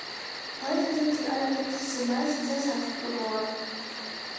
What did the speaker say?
Heute sind sie allerdings zumeist sesshaft geworden.